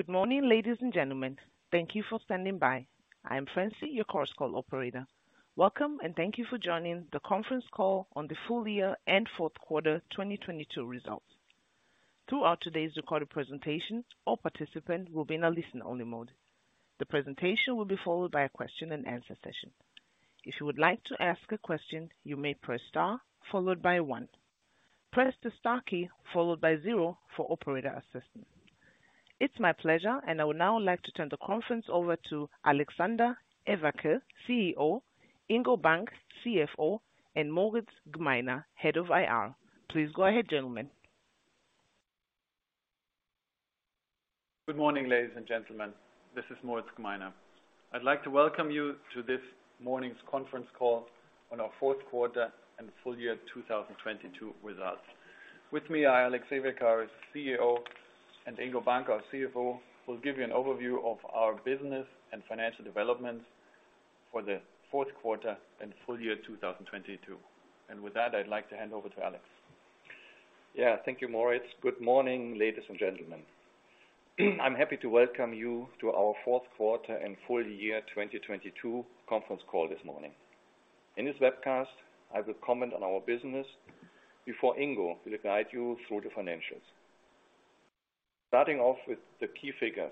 Good morning, ladies and gentlemen. Thank you for standing by. I'm Francine, your conference operator. Welcome, thank you for joining the conference call on the full-year and fourth quarter 2022 results. Throughout today's recorded presentation, all participant will be in a listen-only mode. The presentation will be followed by a question and answer session. If you would like to ask a question, you may press star followed by one. Press the star key followed by 0 for operator assistance. It's my pleasure, I would now like to turn the conference over to Alexander Everke, CEO, Ingo Bank, CFO, and Moritz Gmeiner, Head of IR. Please go ahead, gentlemen. Good morning, ladies and gentlemen. This is Moritz Gmeiner. I'd like to welcome you to this morning's conference call on our fourth quarter and full-year 2022 results. With me are Alexander Everke, our CEO, and Ingo Bank, our CFO, will give you an overview of our business and financial developments for the fourth quarter and full-year 2022. With that, I'd like to hand over to Alex. Yeah. Thank you, Moritz. Good morning, ladies and gentlemen. I'm happy to welcome you to our fourth quarter and full-year 2022 conference call this morning. In this webcast, I will comment on our business before Ingo will guide you through the financials. Starting off with the key figures.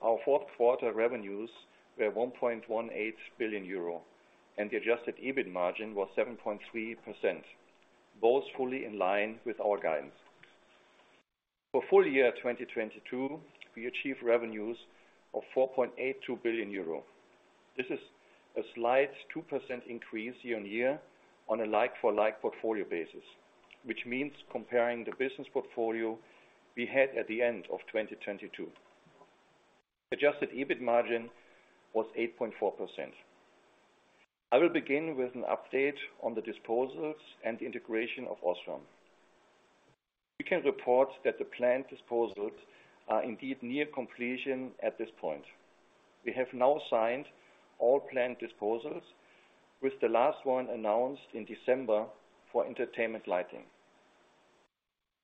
Our fourth quarter revenues were 1.18 billion euro, and the adjusted EBIT margin was 7.3%, both fully in line with our guidance. For full-year 2022, we achieved revenues of 4.82 billion euro. This is a slight 2% increase year-on-year on a like-for-like portfolio basis, which means comparing the business portfolio we had at the end of 2022. Adjusted EBIT margin was 8.4%. I will begin with an update on the disposals and the integration of OSRAM. We can report that the planned disposals are indeed near completion at this point. We have now signed all planned disposals, with the last one announced in December for entertainment lighting.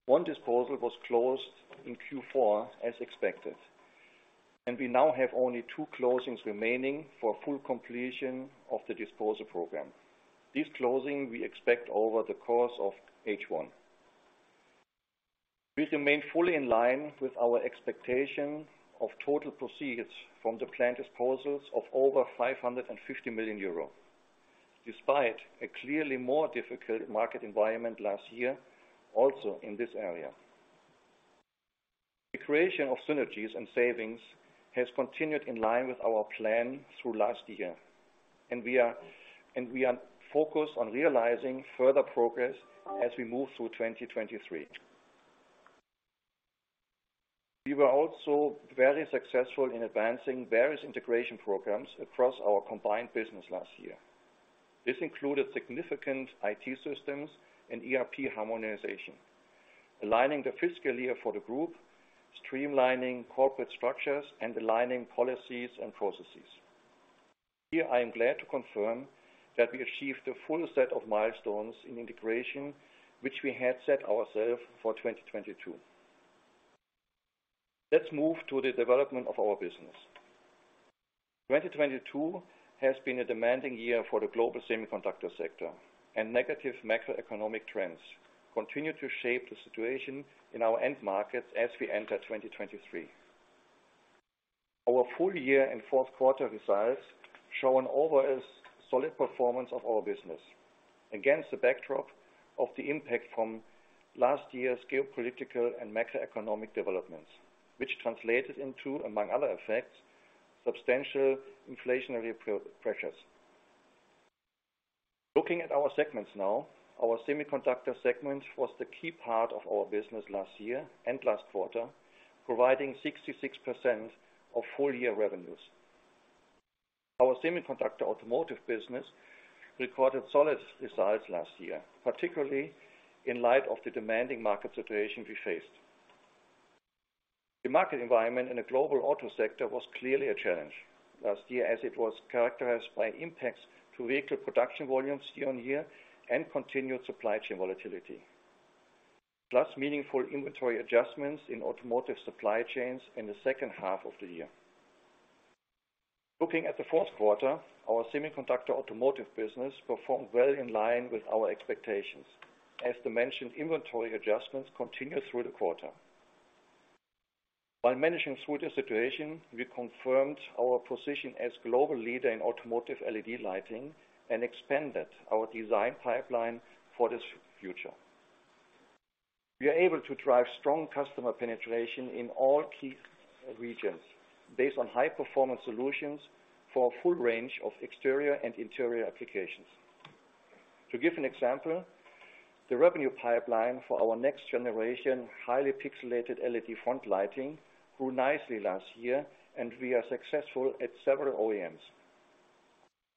One disposal was closed in Q4 as expected. We now have only two closings remaining for full completion of the disposal program. This closing we expect over the course of H1. We remain fully in line with our expectation of total proceeds from the planned disposals of over 550 million euro, despite a clearly more difficult market environment last year, also in this area. The creation of synergies and savings has continued in line with our plan through last year. We are focused on realizing further progress as we move through 2023. We were also very successful in advancing various integration programs across our combined business last year. This included significant IT systems and ERP harmonization, aligning the fiscal year for the group, streamlining corporate structures, and aligning policies and processes. Here, I am glad to confirm that we achieved the full set of milestones in integration, which we had set ourselves for 2022. Let's move to the development of our business. 2022 has been a demanding year for the global semiconductor sector, and negative macroeconomic trends continue to shape the situation in our end markets as we enter 2023. Our full-year and fourth quarter results show an overall solid performance of our business against the backdrop of the impact from last year's geopolitical and macroeconomic developments, which translated into, among other effects, substantial inflationary pro-pressures. Looking at our segments now. Our semiconductor segment was the key part of our business last year and last quarter, providing 66% of full-year revenues. Our semiconductor automotive business recorded solid results last year, particularly in light of the demanding market situation we faced. The market environment in the global auto sector was clearly a challenge last year as it was characterized by impacts to vehicle production volumes year-on-year and continued supply chain volatility, plus meaningful inventory adjustments in automotive supply chains in the second half of the year. Looking at the fourth quarter, our semiconductor automotive business performed well in line with our expectations, as the mentioned inventory adjustments continued through the quarter. By managing through the situation, we confirmed our position as global leader in automotive LED lighting and expanded our design pipeline for this future. We are able to drive strong customer penetration in all key regions based on high-performance solutions for a full range of exterior and interior applications. To give an example, the revenue pipeline for our next generation, highly pixelated LED front lighting, grew nicely last year, and we are successful at several OEMs.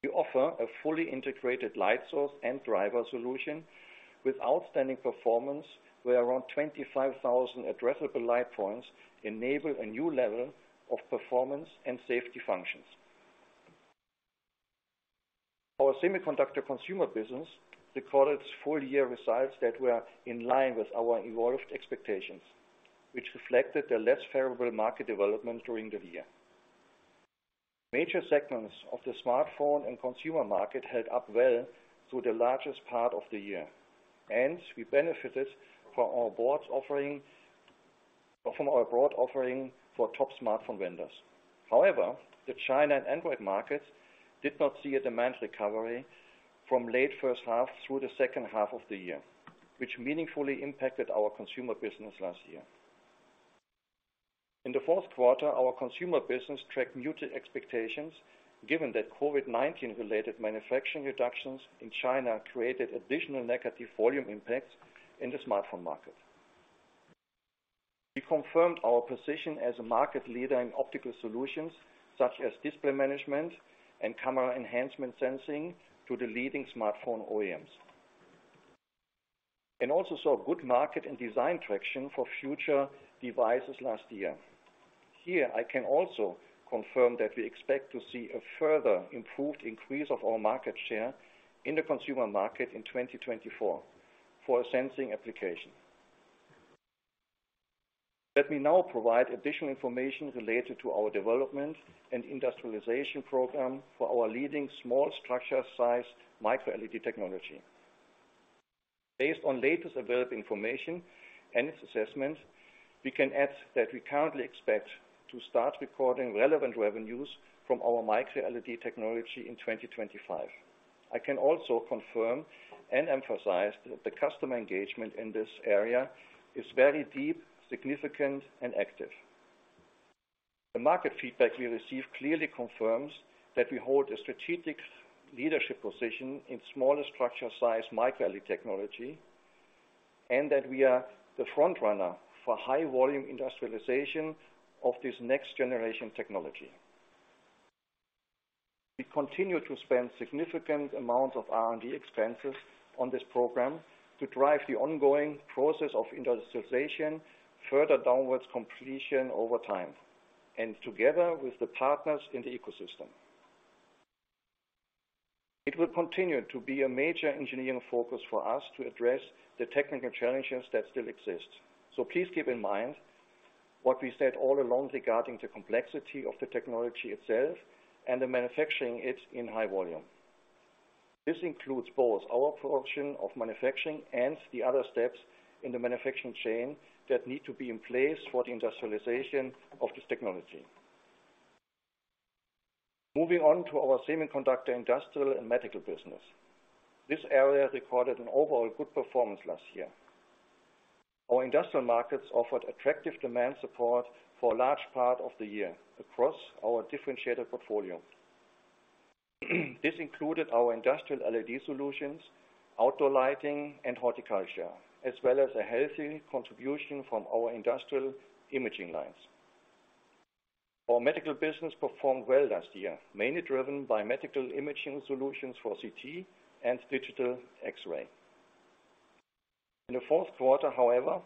We offer a fully integrated light source and driver solution with outstanding performance, where around 25,000 addressable light points enable a new level of performance and safety functions. Our semiconductor consumer business recorded its full-year results that were in line with our evolved expectations, which reflected the less favorable market development during the year. Major segments of the smartphone and consumer market held up well through the largest part of the year, and we benefited from our broad offering for top smartphone vendors. However, the China and Android markets did not see a demand recovery from late first half through the second half of the year, which meaningfully impacted our consumer business last year. In the fourth quarter, our consumer business tracked muted expectations, given that COVID-19 related manufacturing reductions in China created additional negative volume impacts in the smartphone market. We confirmed our position as a market leader in optical solutions such as display management and camera enhancement sensing to the leading smartphone OEMs, and also saw good market and design traction for future devices last year. Here, I can also confirm that we expect to see a further improved increase of our market share in the consumer market in 2024 for sensing application. Let me now provide additional information related to our development and industrialization program for our leading small structure size microLED technology. Based on latest available information and its assessment, we can add that we currently expect to start recording relevant revenues from our microLED technology in 2025. I can also confirm and emphasize that the customer engagement in this area is very deep, significant, and active. The market feedback we receive clearly confirms that we hold a strategic leadership position in smaller structure size microLED technology, and that we are the front runner for high volume industrialization of this next generation technology. We continue to spend significant amounts of R&D expenses on this program to drive the ongoing process of industrialization further downwards completion over time, and together with the partners in the ecosystem. It will continue to be a major engineering focus for us to address the technical challenges that still exist. Please keep in mind what we said all along regarding the complexity of the technology itself and the manufacturing it in high volume. This includes both our portion of manufacturing and the other steps in the manufacturing chain that need to be in place for the industrialization of this technology. Moving on to our Semiconductor Industrial and Medical business. This area recorded an overall good performance last year. Our industrial markets offered attractive demand support for a large part of the year across our differentiated portfolio. This included our industrial LED solutions, outdoor lighting, and horticulture, as well as a healthy contribution from our industrial imaging lines. Our medical business performed well last year, mainly driven by medical imaging solutions for CT and digital X-ray. In the fourth quarter, however,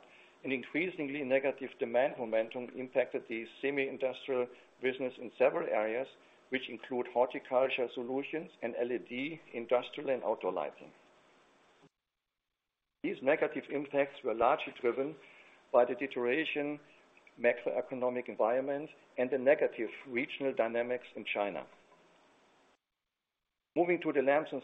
an increasingly negative demand momentum impacted the semi-industrial business in several areas, which include horticulture solutions and LED industrial and outdoor lighting. These negative impacts were largely driven by the deterioration macroeconomic environment and the negative regional dynamics in China. Moving to the Lamps and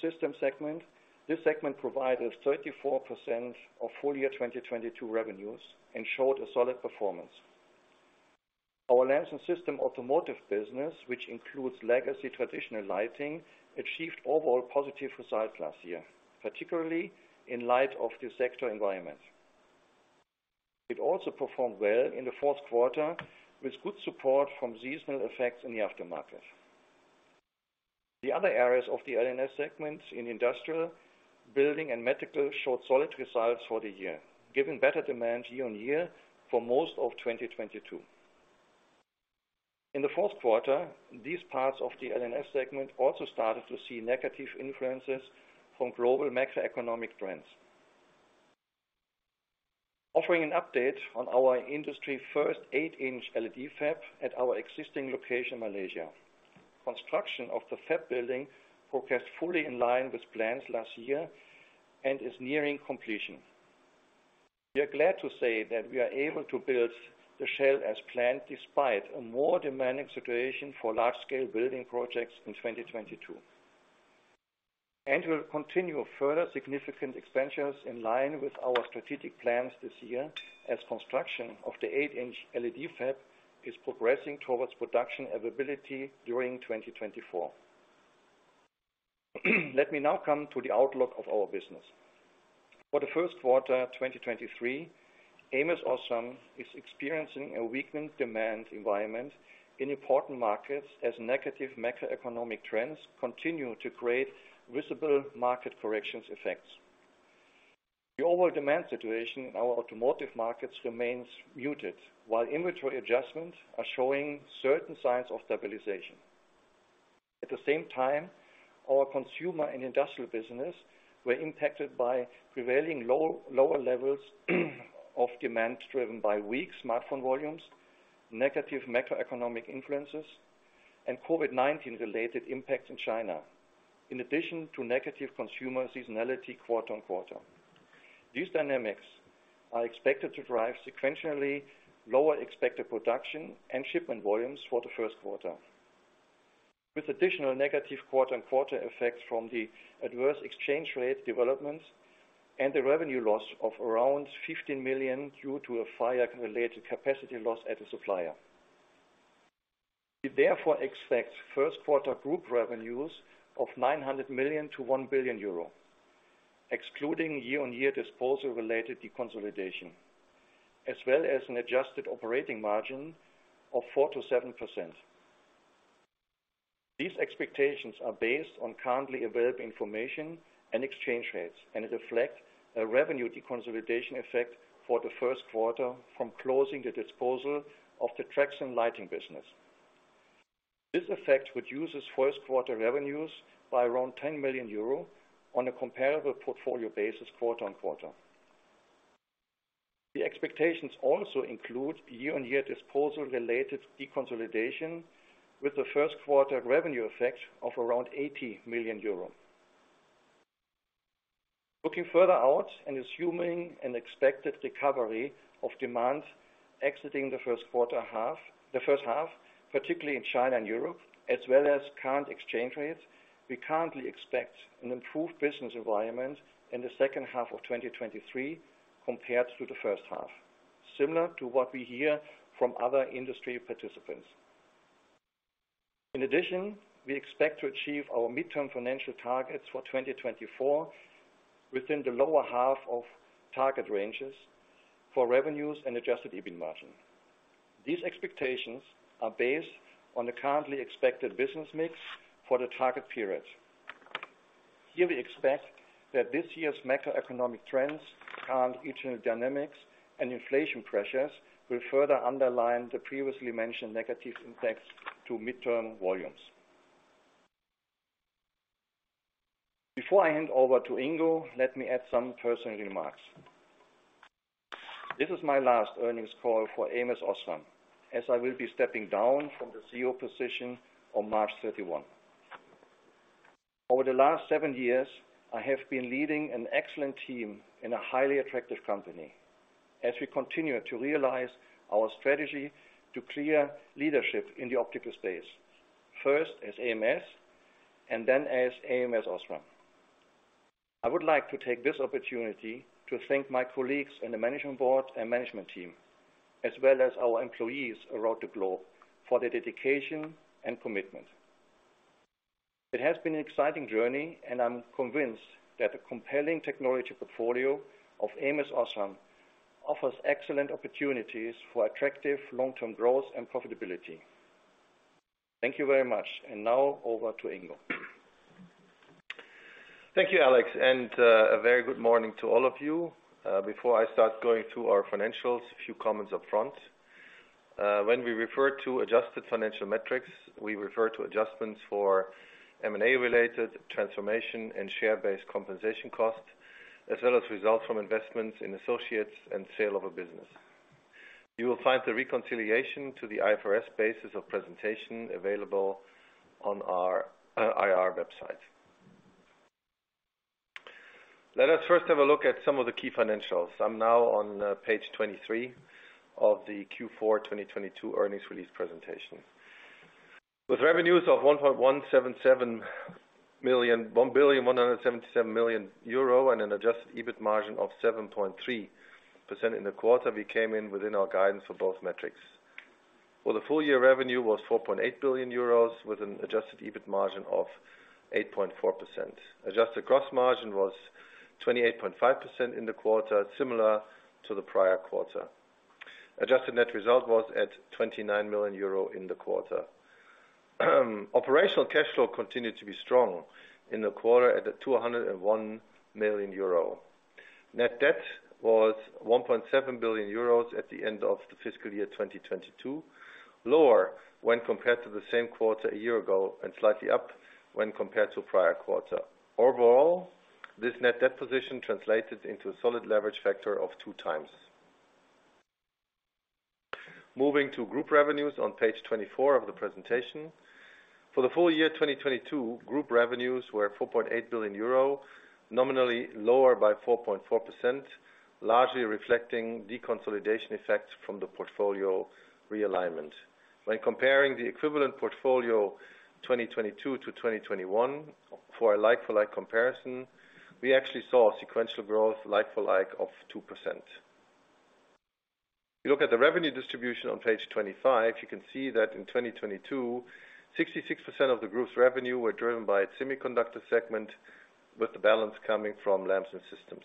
Systems segment. This segment provided 34% of full-year 2022 revenues and showed a solid performance. Our Lamps and Systems automotive business, which includes legacy traditional lighting, achieved overall positive results last year, particularly in light of the sector environment. It also performed well in the fourth quarter with good support from seasonal effects in the aftermarket. The other areas of the LNS segments in industrial, building and medical showed solid results for the year, giving better demand year-over-year for most of 2022. In the fourth quarter, these parts of the LNS segment also started to see negative influences from global macroeconomic trends. Offering an update on our industry-first 8-inch LED fab at our existing location, Malaysia. Construction of the fab building progressed fully in line with plans last year and is nearing completion. We are glad to say that we are able to build the shell as planned, despite a more demanding situation for large-scale building projects in 2022. We'll continue further significant expansions in line with our strategic plans this year, as construction of the 8-inch LED fab is progressing towards production availability during 2024. Let me now come to the outlook of our business. For the first quarter 2023, ams OSRAM is experiencing a weakened demand environment in important markets as negative macroeconomic trends continue to create visible market corrections effects. The overall demand situation in our automotive markets remains muted while inventory adjustments are showing certain signs of stabilization. At the same time, our consumer and industrial business were impacted by prevailing lower levels of demand driven by weak smartphone volumes, negative macroeconomic influences, and COVID-19 related impacts in China, in addition to negative consumer seasonality quarter-on-quarter. These dynamics are expected to drive sequentially lower expected production and shipment volumes for the first quarter. With additional negative quarter-on-quarter effects from the adverse exchange rate developments and the revenue loss of around 15 million due to a fire-related capacity loss at the supplier. We therefore expect first quarter group revenues of 900 million-1 billion euro, excluding year-on-year disposal related deconsolidation, as well as an adjusted operating margin of 4%-7%. These expectations are based on currently available information and exchange rates, and it reflect a revenue deconsolidation effect for the first quarter from closing the disposal of the Traxon Lighting business. This effect reduces first quarter revenues by around 10 million euro on a comparable portfolio basis quarter-on-quarter. The expectations also include year-on-year disposal related deconsolidation with the first quarter revenue effect of around 80 million euro. Looking further out and assuming an expected recovery of demand exiting the first half, particularly in China and Europe, as well as current exchange rates, we currently expect an improved business environment in the second half of 2023 compared to the first half, similar to what we hear from other industry participants. We expect to achieve our midterm financial targets for 2024 within the lower half of target ranges for revenues and adjusted EBIT margin. These expectations are based on the currently expected business mix for the target period. Here we expect that this year's macroeconomic trends and eternal dynamics and inflation pressures will further underline the previously mentioned negative impacts to midterm volumes. Before I hand over to Ingo, let me add some personal remarks. This is my last earnings call for ams OSRAM, as I will be stepping down from the CEO position on 31 March Over the last seven-years, I have been leading an excellent team in a highly attractive company as we continue to realize our strategy to clear leadership in the optical space, first as ams and then as ams OSRAM. I would like to take this opportunity to thank my colleagues on the management board and management team, as well as our employees around the globe for their dedication and commitment. It has been an exciting journey, and I'm convinced that the compelling technology portfolio of ams OSRAM offers excellent opportunities for attractive long-term growth and profitability. Thank you very much. Now over to Ingo. Thank you, Alex. A very good morning to all of you. Before I start going through our financials, a few comments up front. When we refer to adjusted financial metrics, we refer to adjustments for M&A related transformation and share-based compensation costs, as well as results from investments in associates and sale of a business. You will find the reconciliation to the IFRS basis of presentation available on our IR website. Let us first have a look at some of the key financials. I'm now on page twenty-three of the Q4 2022 earnings release presentation. With revenues of 1.177 million, 1 billion and 177 million and an adjusted EBIT margin of 7.3% in the quarter, we came in within our guidance for both metrics. For the full-year revenue was 4.8 billion euros with an adjusted EBIT margin of 8.4%. Adjusted gross margin was 28.5% in the quarter, similar to the prior quarter. Adjusted net result was at 29 million euro in the quarter. Operational cash flow continued to be strong in the quarter at 201 million euro. Net debt was 1.7 billion euros at the end of the fiscal year 2022, lower when compared to the same quarter a year ago and slightly up when compared to prior quarter. Overall, this net debt position translated into a solid leverage factor of 2x. Moving to group revenues on page twenty-four of the presentation. For the full-year 2022, group revenues were 4.8 billion euro, nominally lower by 4.4%, largely reflecting deconsolidation effects from the portfolio realignment. When comparing the equivalent portfolio 2022 to 2021 for a like for like comparison, we actually saw sequential growth like for like of 2%. You look at the revenue distribution on page twenty-five, you can see that in 2022, 66% of the group's revenue were driven by its semiconductor segment, with the balance coming from lamps and systems.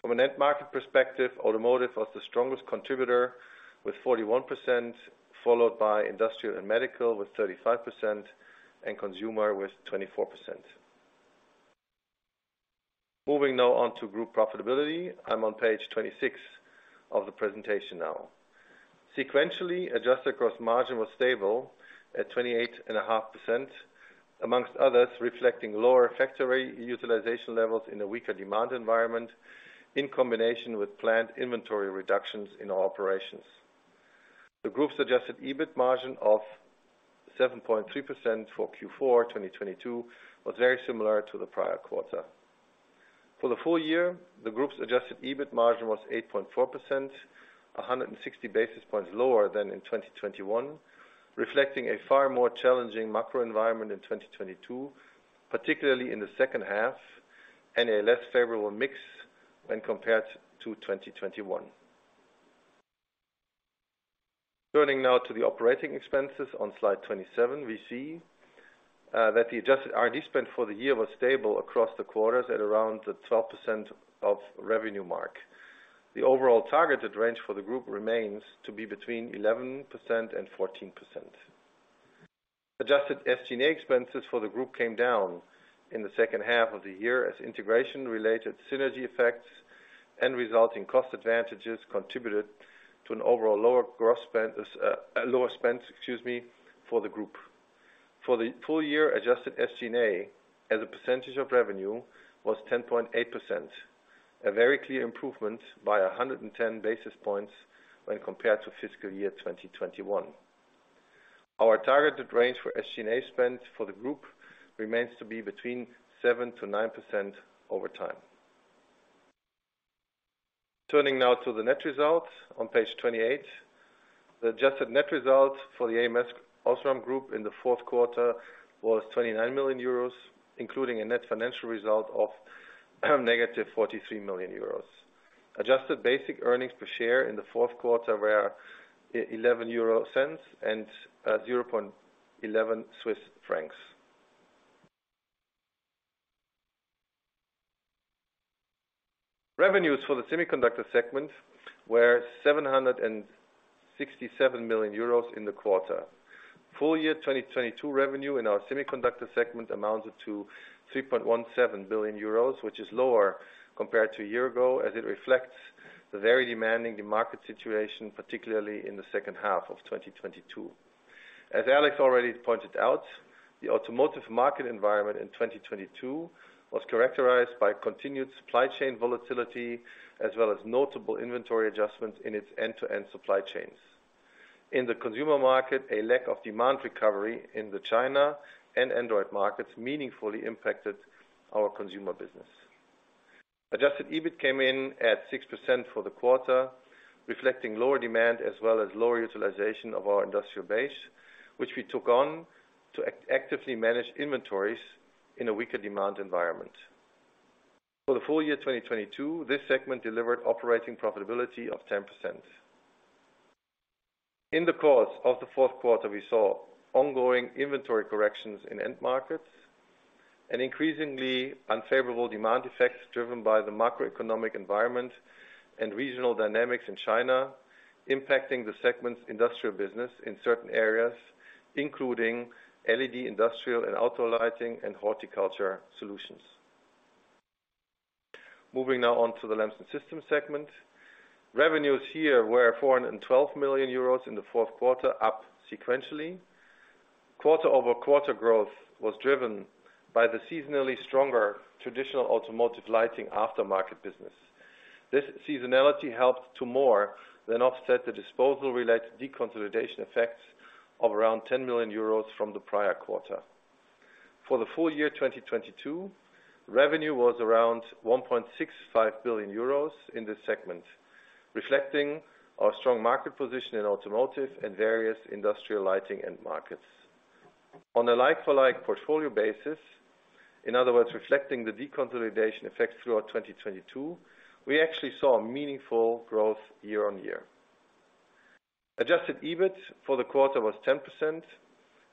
From a net market perspective, automotive was the strongest contributor with 41%, followed by industrial and medical with 35% and consumer with 24%. Moving now on to group profitability. I'm on page twenty-six of the presentation now. Sequentially, adjusted gross margin was stable at 28.5%, amongst others, reflecting lower factory utilization levels in a weaker demand environment, in combination with planned inventory reductions in our operations. The group's adjusted EBIT margin of 7.3% for Q4 2022 was very similar to the prior quarter. For the full-year, the group's adjusted EBIT margin was 8.4%, 160 basis points lower than in 2021, reflecting a far more challenging macro environment in 2022, particularly in the second half, and a less favorable mix when compared to 2021. Turning now to the operating expenses on slide twenty-seven, we see that the adjusted R&D spend for the year was stable across the quarters at around the 12% of revenue mark. The overall targeted range for the group remains to be between 11% and 14%. Adjusted SG&A expenses for the group came down in the second half of the year as integration-related synergy effects and resulting cost advantages contributed to an overall lower spend, excuse me, for the group. For the full-year, adjusted SG&A as a percentage of revenue was 10.8%, a very clear improvement by 110 basis points when compared to fiscal year 2021. Our targeted range for SG&A spend for the group remains to be between 7%-9% over time. Turning now to the net results on page twenty-eight. The adjusted net results for the ams OSRAM Group in the fourth quarter was 29 million euros, including a net financial result of negative 43 million euros. Adjusted basic earnings per share in the fourth quarter were 0.11 and 0.11. Revenues for the Semiconductor segment were 767 million euros in the quarter. full-year 2022 revenue in our Semiconductor segment amounted to 3.17 billion euros, which is lower compared to a year ago, as it reflects the very demanding market situation, particularly in the second half of 2022. As Alex already pointed out, the automotive market environment in 2022 was characterized by continued supply chain volatility as well as notable inventory adjustments in its end-to-end supply chains. In the consumer market, a lack of demand recovery in the China and Android markets meaningfully impacted our consumer business. Adjusted EBIT came in at 6% for the quarter, reflecting lower demand as well as lower utilization of our industrial base, which we took on to actively manage inventories in a weaker demand environment. For the full-year 2022, this segment delivered operating profitability of 10%. In the course of the fourth quarter, we saw ongoing inventory corrections in end markets and increasingly unfavorable demand effects driven by the macroeconomic environment and regional dynamics in China, impacting the segment's industrial business in certain areas, including LED industrial and outdoor lighting and horticulture solutions. Moving now on to the lamps and systems segment. Revenues here were 412 million euros in the fourth quarter, up sequentially. Quarter-over-quarter growth was driven by the seasonally stronger traditional automotive lighting aftermarket business. This seasonality helped to more than offset the disposal-related deconsolidation effects of around 10 million euros from the prior quarter. For the full-year 2022, revenue was around 1.65 billion euros in this segment, reflecting our strong market position in automotive and various industrial lighting end markets. On a like-for-like portfolio basis, in other words, reflecting the deconsolidation effects throughout 2022, we actually saw a meaningful growth year-on-year. Adjusted EBIT for the quarter was 10%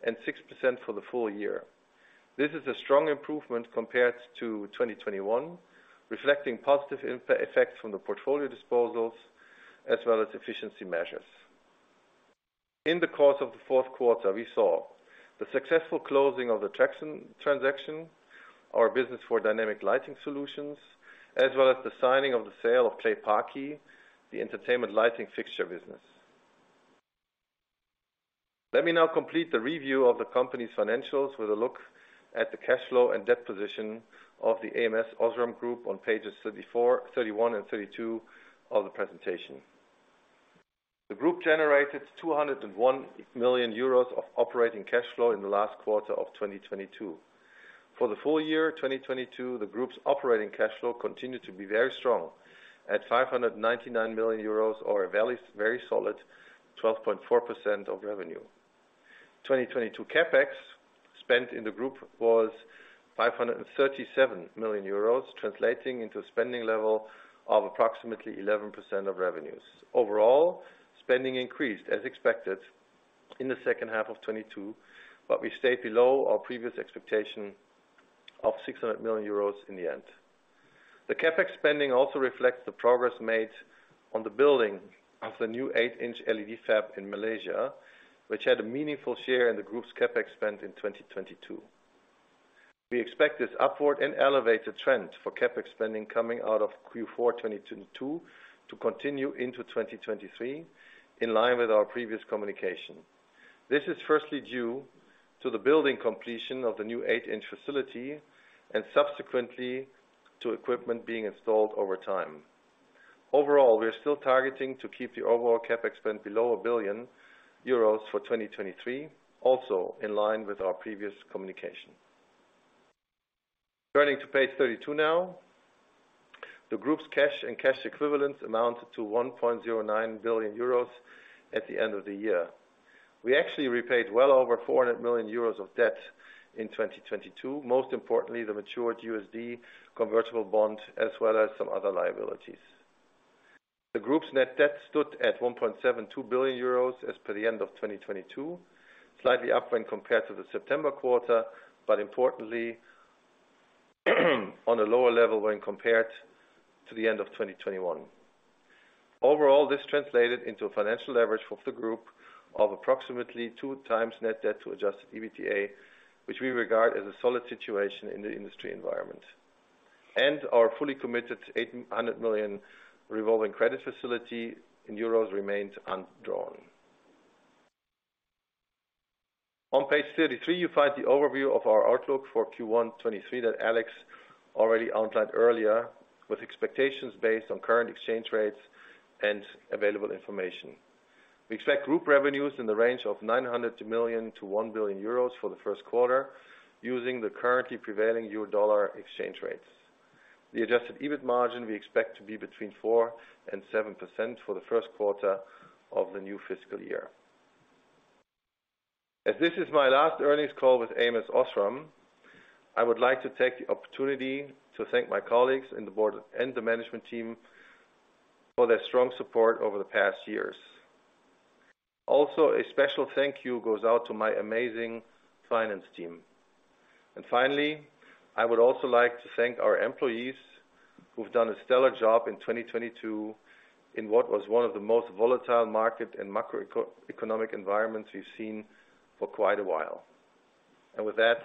and 6% for the full-year. This is a strong improvement compared to 2021, reflecting positive effects from the portfolio disposals as well as efficiency measures. In the course of the fourth quarter, we saw the successful closing of the Traxon transaction, our business for dynamic lighting solutions, as well as the signing of the sale of Claypaky, the entertainment lighting fixture business. Let me now complete the review of the company's financials with a look at the cash flow and debt position of the ams OSRAM Group on pages 34, 31 and 32 of the presentation. The group generated 201 million euros of operating cash flow in the last quarter of 2022. For the full-year 2022, the group's operating cash flow continued to be very strong at 599 million euros or a very, very solid 12.4% of revenue. 2022 CapEx spent in the group was 537 million euros, translating into a spending level of approximately 11% of revenues. Overall, spending increased as expected in the second half of 2022, but we stayed below our previous expectation of 600 million euros in the end. The CapEx spending also reflects the progress made on the building of the new 8-inch LED fab in Malaysia, which had a meaningful share in the group's CapEx spend in 2022. We expect this upward and elevated trend for CapEx spending coming out of Q4 2022 to continue into 2023, in line with our previous communication. This is firstly due to the building completion of the new 8-inch facility and subsequently to equipment being installed over time. Overall, we are still targeting to keep the overall CapEx spend below 1 billion euros for 2023, also in line with our previous communication. Turning to page thirty-two now. The group's cash and cash equivalents amounted to 1.09 billion euros at the end of the year. We actually repaid well over 400 million euros of debt in 2022, most importantly, the matured USD convertible bond as well as some other liabilities. The group's net debt stood at 1.72 billion euros as per the end of 2022, slightly up when compared to the September quarter, but importantly on a lower level when compared to the end of 2021. Overall, this translated into a financial leverage for the group of approximately 2x net debt to adjusted EBITDA, which we regard as a solid situation in the industry environment. Our fully committed 800 million revolving credit facility in euros remains undrawn. On page thirty-three, you find the overview of our outlook for Q1 2023 that Alex already outlined earlier, with expectations based on current exchange rates and available information. We expect group revenues in the range of 900 million-1 billion euros for the first quarter using the currently prevailing euro dollar exchange rates. The adjusted EBIT margin we expect to be between 4% and 7% for the first quarter of the new fiscal year. As this is my last earnings call with ams OSRAM, I would like to take the opportunity to thank my colleagues and the board and the management team for their strong support over the past years. Also, a special thank you goes out to my amazing finance team. Finally, I would also like to thank our employees who've done a stellar job in 2022 in what was one of the most volatile market and macroeconomic environments we've seen for quite a while. With that,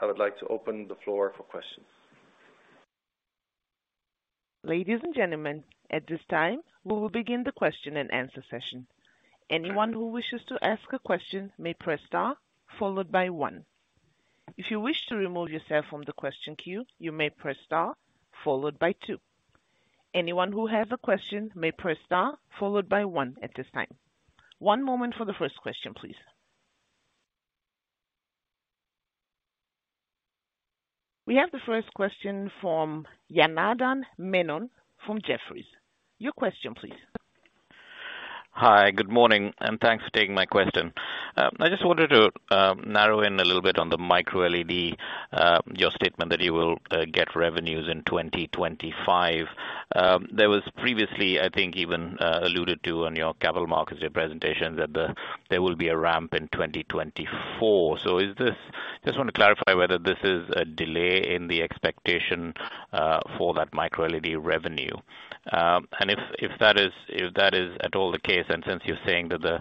I would like to open the floor for questions. Ladies and gentlemen, at this time, we will begin the question and answer session. Anyone who wishes to ask a question may press star followed by one. If you wish to remove yourself from the question queue, you may press star followed by two. Anyone who has a question may press star followed by one at this time. One moment for the first question, please. We have the first question from Janardan Menon from Jefferies. Your question, please. Hi, good morning, and thanks for taking my question. I just wanted to narrow in a little bit on the microLED, your statement that you will get revenues in 2025. There was previously, I think, even alluded to on your Capital Markets Day presentation that there will be a ramp in 2024. just want to clarify whether this is a delay in the expectation for that microLED revenue. If that is, if that is at all the case, and since you're saying that the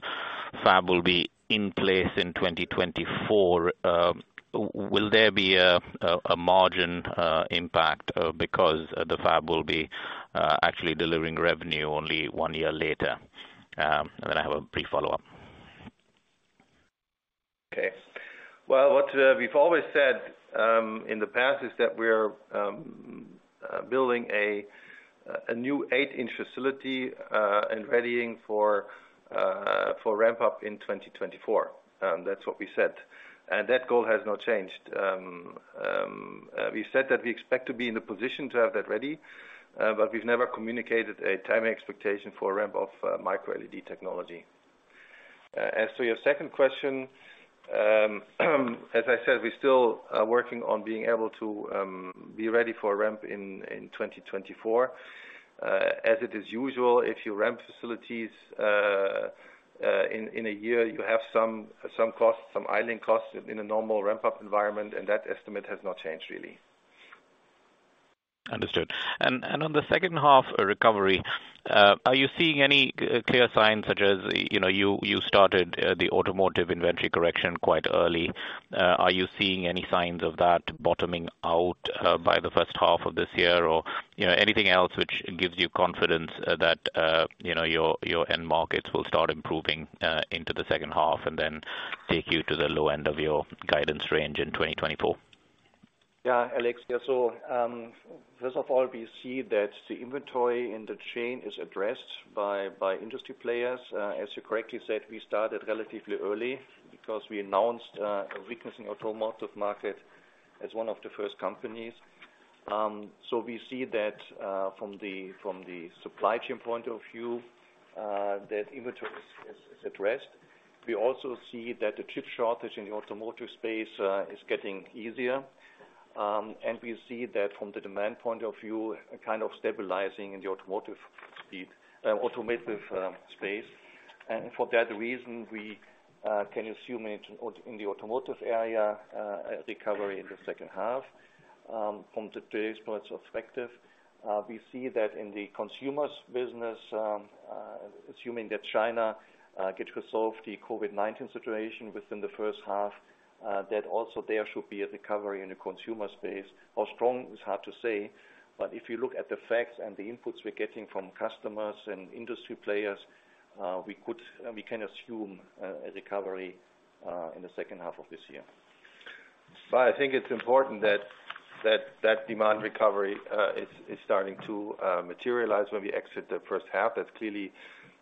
fab will be in place in 2024, will there be a margin impact because the fab will be actually delivering revenue only 1 year later? I have a brief follow-up. Okay. Well, what we've always said in the past is that we're building a new eight-inch facility and readying for ramp up in 2024. That's what we said. That goal has not changed. We said that we expect to be in the position to have that ready, but we've never communicated a timing expectation for a ramp of microLED technology. As to your second question, as I said, we're still working on being able to be ready for a ramp in 2024. As it is usual, if you ramp facilities in a year, you have some costs, some idling costs in a normal ramp-up environment, that estimate has not changed really. Understood. On the second half recovery, are you seeing any clear signs such as, you know, you started the automotive inventory correction quite early? Are you seeing any signs of that bottoming out by the first half of this year? You know, anything else which gives you confidence that, you know, your end markets will start improving into the second half and then take you to the low end of your guidance range in 2024? Alex, first of all, we see that the inventory in the chain is addressed by industry players. As you correctly said, we started relatively early because we announced a weakness in automotive market as one of the first companies. We see that from the supply chain point of view, that inventory is addressed. We also see that the chip shortage in the automotive space is getting easier. We see that from the demand point of view, a kind of stabilizing in the automotive space. For that reason, we can assume in the automotive area a recovery in the second half. From today's point of perspective, we see that in the consumer's business, assuming that China gets resolved, the COVID-19 situation within the first half, that also there should be a recovery in the consumer space. How strong? It's hard to say. If you look at the facts and the inputs we're getting from customers and industry players, we can assume a recovery in the second half of this year. I think it's important that demand recovery is starting to materialize when we exit the first half. That's clearly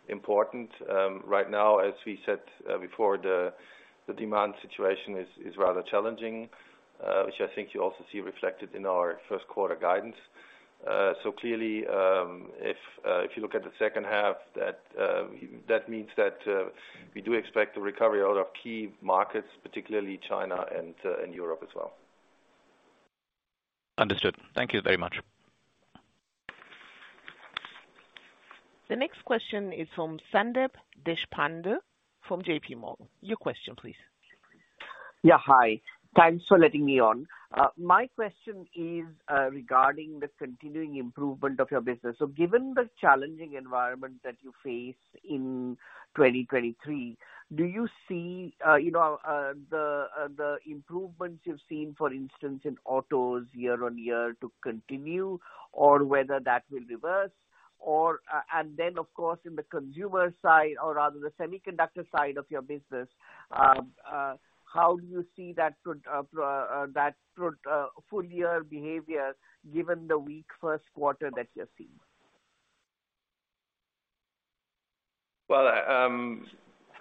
important. Right now, as we said before, the demand situation is rather challenging, which I think you also see reflected in our first quarter guidance. Clearly, if you look at the second half, that means that we do expect a recovery out of key markets, particularly China and Europe as well. Understood. Thank you very much. The next question is from Sandeep Deshpande from JPMorgan. Your question, please. Yeah, hi. Thanks for letting me on. My question is regarding the continuing improvement of your business. Given the challenging environment that you face in 2023, do you see, you know, the improvements you've seen, for instance, in autos year-on-year to continue or whether that will reverse? And then, of course, in the consumer side or rather the semiconductor side of your business, how do you see that through that through full-year behavior given the weak first quarter that you're seeing?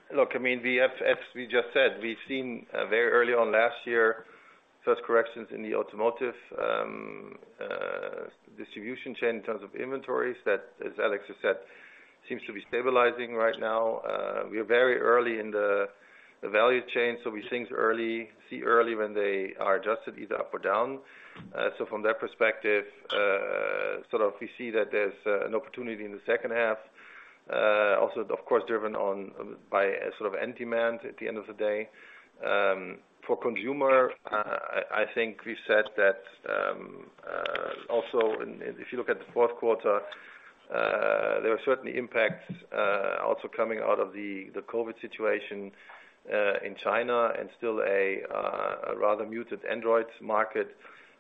Look, I mean, As we just said, we've seen very early on last year, first corrections in the automotive distribution chain in terms of inventories that, as Alex just said, seems to be stabilizing right now. We are very early in the value chain, so we think early, see early when they are adjusted either up or down. From that perspective, sort of we see that there's an opportunity in the second half. Of course, driven on by a sort of end demand at the end of the day. For consumer, I think we said that also if you look at the fourth quarter, there are certainly impacts also coming out of the COVID situation in China and still a rather muted Android market.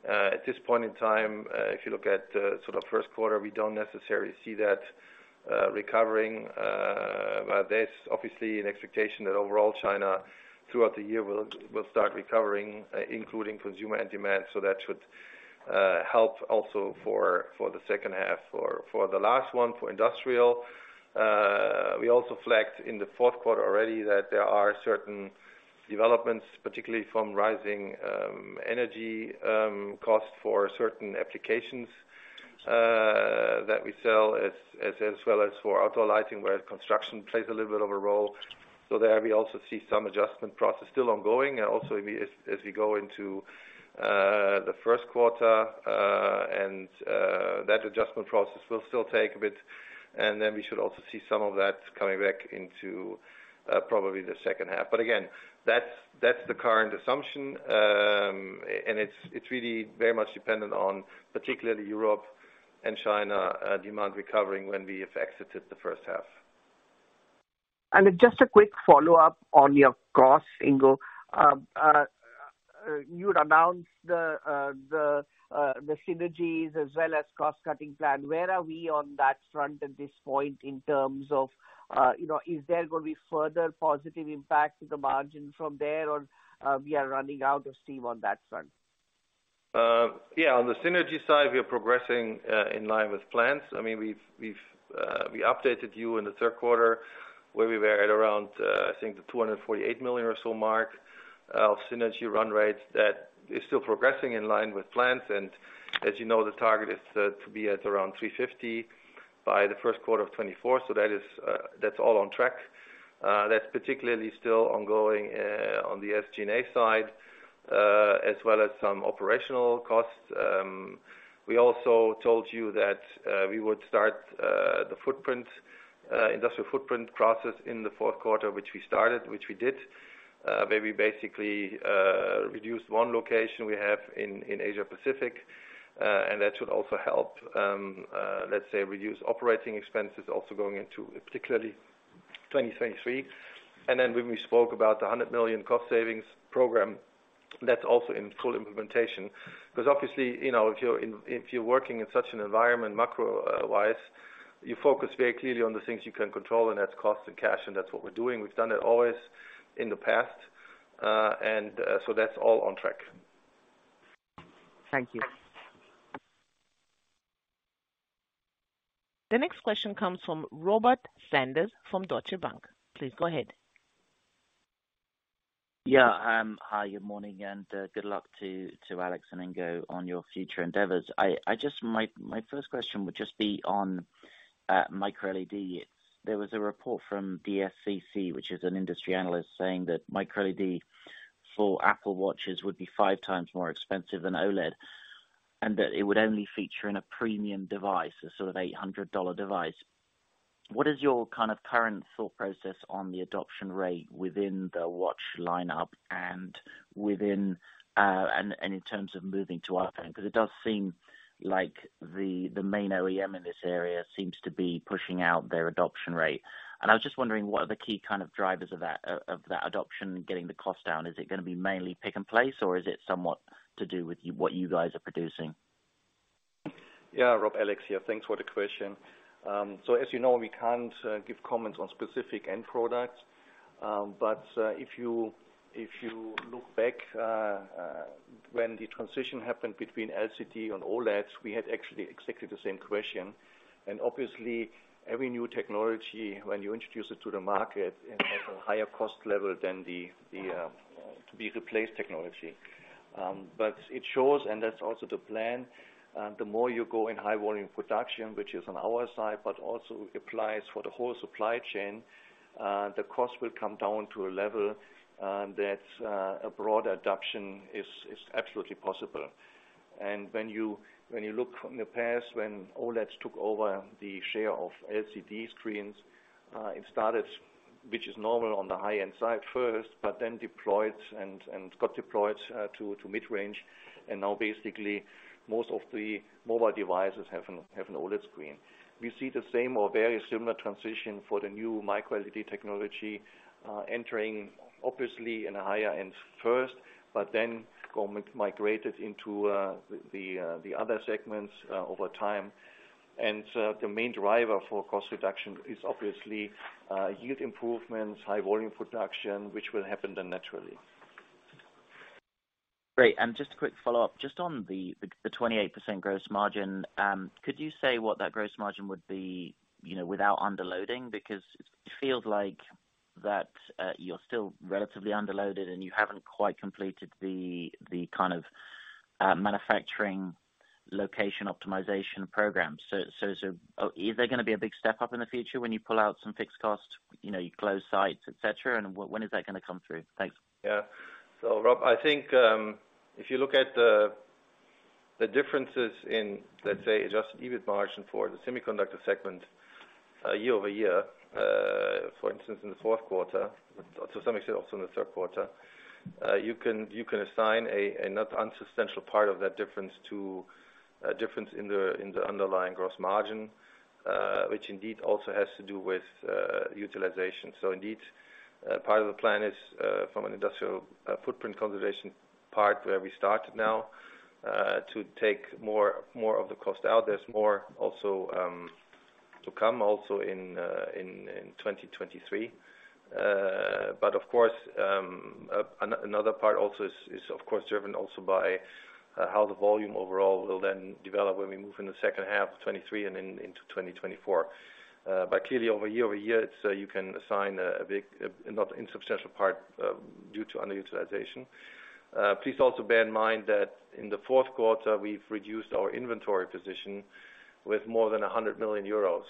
At this point in time, if you look at sort of first quarter, we don't necessarily see that recovering. But there's obviously an expectation that overall China throughout the year will start recovering, including consumer end demand. That should help also for the second half or for the last one for industrial. We also flagged in the fourth quarter already that there are certain developments, particularly from rising energy costs for certain applications that we sell as well as for outdoor lighting, where construction plays a little bit of a role. There we also see some adjustment process still ongoing. Also as we go into the first quarter, and that adjustment process will still take a bit. Then we should also see some of that coming back into probably the second half. Again, that's the current assumption. It's really very much dependent on particularly Europe and China demand recovering when we have exited the first half. Just a quick follow-up on your costs, Ingo. You'd announced the synergies as well as cost-cutting plan. Where are we on that front at this point in terms of, you know, is there gonna be further positive impact to the margin from there or, we are running out of steam on that front? Yeah. On the synergy side, we are progressing in line with plans. I mean, we updated you in the third quarter where we were at around, I think the 248 million or so mark of synergy run rate that is still progressing in line with plans. As you know, the target is to be at around 350 by the first quarter of 2024. That is, that's all on track. That's particularly still ongoing on the SG&A side, as well as some operational costs. We also told you that we would start the footprint, industrial footprint process in the fourth quarter, which we started, which we did. Where we basically reduced one location we have in Asia-Pacific, and that should also help, let's say reduce operating expenses also going into particularly 2023. When we spoke about the 100 million cost savings program, that's also in full implementation. 'Cause obviously, you know, if you're working in such an environment macro-wise, you focus very clearly on the things you can control, and that's cost and cash, and that's what we're doing. We've done it always in the past. That's all on track. Thank you. The next question comes from Robert Sanders from Deutsche Bank. Please go ahead. Yeah. Hi, good morning, and good luck to Alex and Ingo on your future endeavors. My first question would just be on microLED. There was a report from DSCC, which is an industry analyst, saying that microLED for Apple Watches would be 5 times more expensive than OLED, and that it would only feature in a premium device, a sort of $800 device. What is your kind of current thought process on the adoption rate within the watch lineup and within, and in terms of moving to iPhone? 'Cause it does seem like the main OEM in this area seems to be pushing out their adoption rate. I was just wondering, what are the key kind of drivers of that adoption, getting the cost down? Is it gonna be mainly pick and place, or is it somewhat to do with what you guys are producing? Yeah, Rob. Alex here. Thanks for the question. As you know, we can't give comments on specific end products. If you look back, when the transition happened between LCD and OLEDs, we had actually exactly the same question. Obviously, every new technology, when you introduce it to the market, it has a higher cost level than the to be replaced technology. It shows, and that's also the plan, the more you go in high volume production, which is on our side, but also applies for the whole supply chain, the cost will come down to a level that a broad adoption is absolutely possible. When you, when you look from the past when OLEDs took over the share of LCD screens, it started, which is normal on the high-end side first, but then deployed and got deployed to mid-range. Now basically, most of the mobile devices have an OLED screen. We see the same or very similar transition for the new microLED technology, entering obviously in a higher end first, but then go migrated into the other segments over time. The main driver for cost reduction is obviously yield improvements, high volume production, which will happen then naturally. Great. Just a quick follow-up. Just on the 28% gross margin, could you say what that gross margin would be, you know, without underloading? It feels like that, you're still relatively underloaded, and you haven't quite completed the kind of, manufacturing location optimization program. Is there gonna be a big step up in the future when you pull out some fixed costs, you know, you close sites, et cetera? When is that gonna come through? Thanks. Yeah. Rob, I think, if you look at the differences in, let's say, adjusted EBIT margin for the semiconductor segment, year-over-year, for instance, in the fourth quarter, to some extent also in the third quarter, you can assign a not unsubstantial part of that difference to a difference in the underlying gross margin, which indeed also has to do with utilization. Indeed, part of the plan is from an industrial footprint conservation part where we started now to take more of the cost out. There's more also to come also in 2023. Of course, another part also is of course driven also by how the volume overall will then develop when we move in the second half of 2023 and then into 2024. Clearly over year-over-year, it's, you can assign a not insubstantial part due to underutilization. Please also bear in mind that in the fourth quarter, we've reduced our inventory position with more than 100 million euros.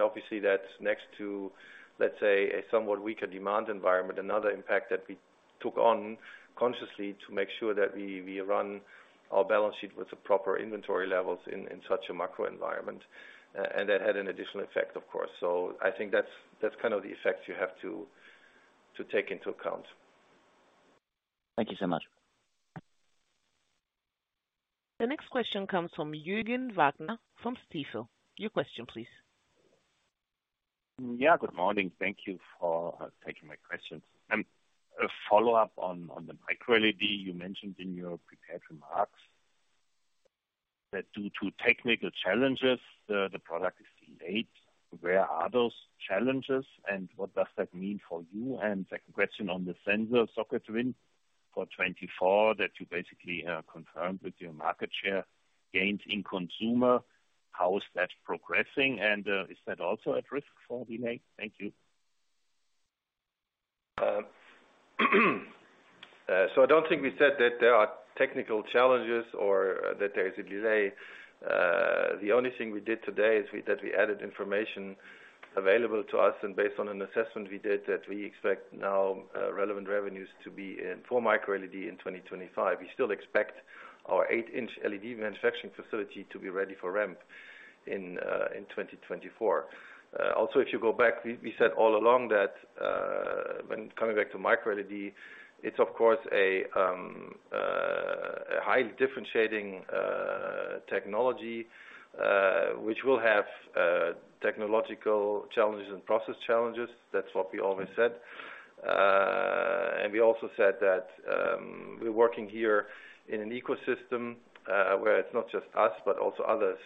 Obviously that's next to, let's say, a somewhat weaker demand environment, another impact that we took on consciously to make sure that we run our balance sheet with the proper inventory levels in such a macro environment. That had an additional effect, of course. I think that's kind of the effect you have to take into account. Thank you so much. The next question comes from Juergen Wagner from Stifel. Your question, please. Yeah, good morning. Thank you for taking my questions. A follow-up on the microLED you mentioned in your prepared remarks that due to technical challenges, the product is delayed. Where are those challenges, and what does that mean for you? Second question on the sensor socket win for 2024 that you basically confirmed with your market share gains in consumer. How is that progressing, is that also at risk for delay? Thank you. I don't think we said that there are technical challenges or that there is a delay. The only thing we did today is that we added information available to us and based on an assessment we did that we expect now relevant revenues to be for microLED in 2025. We still expect our 8-inch LED manufacturing facility to be ready for ramp in 2024. Also, if you go back, we said all along that when coming back to microLED, it's of course a highly differentiating technology, which will have technological challenges and process challenges. That's what we always said. We also said that, we're working here in an ecosystem, where it's not just us, but also others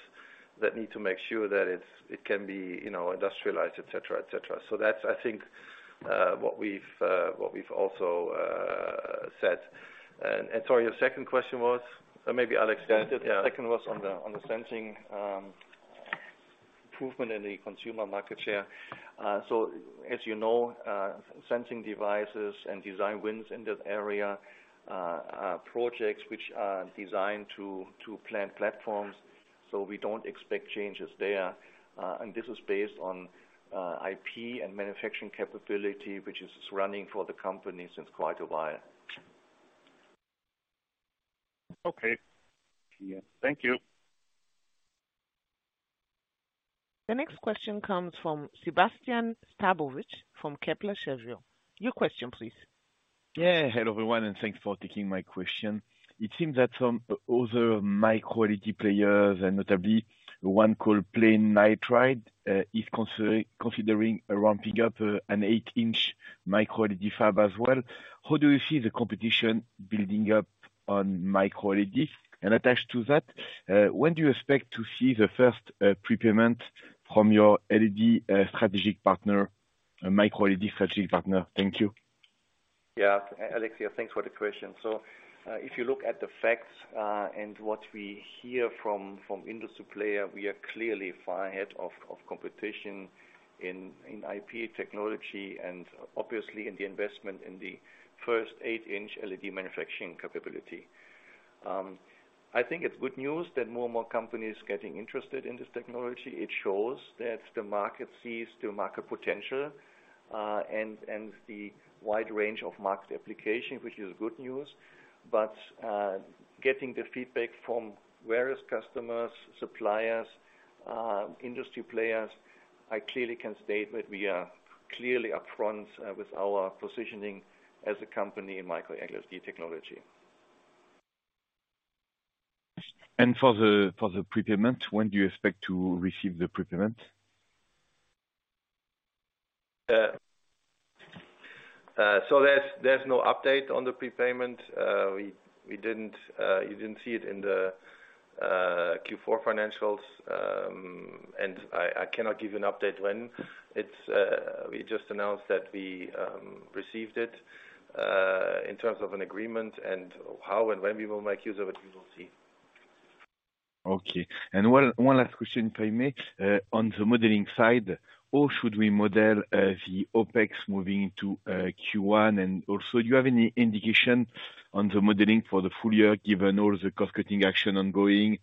that need to make sure that it can be, you know, industrialized, et cetera, et cetera. That's, I think, what we've also said. Sorry, your second question was? Or maybe Alex The second was on the, on the sensing, improvement in the consumer market share. As you know, sensing devices and design wins in this area, are projects which are designed to plan platforms, so we don't expect changes there. This is based on IP and manufacturing capability, which is running for the company since quite a while. Okay. See you. Thank you. The next question comes from Sébastien Sztabowicz from Kepler Cheuvreux. Your question, please. Hello, everyone, and thanks for taking my question. It seems that some other microLED players, and notably one called PlayNitride, is considering ramping up an 8-inch microLED fab as well. How do you see the competition building up on microLED? Attached to that, when do you expect to see the first prepayment from your LED strategic partner, microLED strategic partner? Thank you. Yeah, Alexia, thanks for the question. If you look at the facts, and what we hear from industry player, we are clearly far ahead of competition in IP technology and obviously in the investment in the first 8-inch LED manufacturing capability. I think it's good news that more and more companies getting interested in this technology. It shows that the market sees the market potential, and the wide range of market application, which is good news. Getting the feedback from various customers, suppliers, industry players, I clearly can state that we are clearly upfront with our positioning as a company in microLED technology. For the prepayment, when do you expect to receive the prepayment? There's no update on the prepayment. You didn't see it in the Q4 financials. I cannot give you an update when. It's we just announced that we received it in terms of an agreement and how and when we will make use of it, we will see. Okay. one last question, if I may. On the modeling side, how should we model the OpEx moving into Q1? Also, do you have any indication on the modeling for the full-year, given all the cost-cutting action ongoing,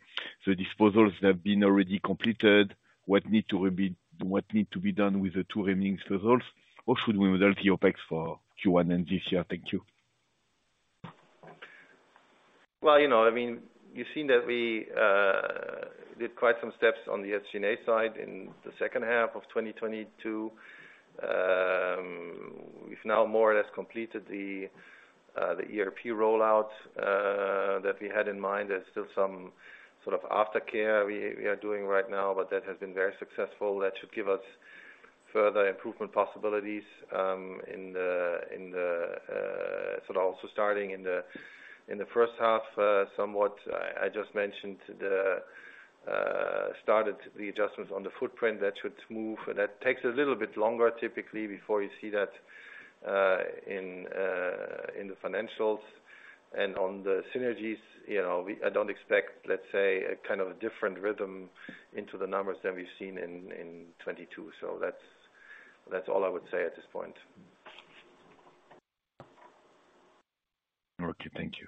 the disposals that have been already completed? What need to be done with the two remaining results? How should we model the OpEx for Q1 and this year? Thank you. Well, you know, I mean, you've seen that we did quite some steps on the SG&A side in the second half of 2022. We've now more or less completed the ERP rollout that we had in mind. There's still some sort of aftercare we are doing right now. That has been very successful. That should give us further improvement possibilities in the sort of also starting in the first half somewhat. I just mentioned the started the adjustments on the footprint that should move. That takes a little bit longer typically before you see that in the financials. On the synergies, you know, I don't expect, let's say, a kind of a different rhythm into the numbers than we've seen in 2022. That's all I would say at this point. Okay, thank you.